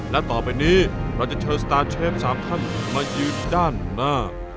แล้วต่อไปนี้เราจะเชิญสตาร์เชฟสามขั้นมาอยู่ด้านหน้า